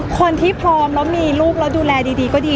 คนที่พร้อมแล้วมีลูกแล้วดูแลดีก็ดี